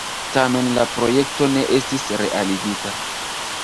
Tamen la projekto ne estis realigita.